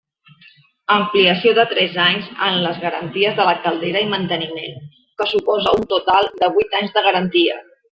Ampliació de tres anys en les garanties de la caldera i manteniment que suposa un total de vuit anys de garantia.